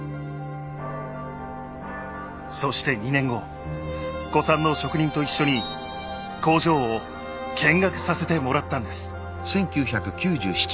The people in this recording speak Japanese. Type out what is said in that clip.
そして２年後古参の職人と一緒に工場を見学させてもらったんです。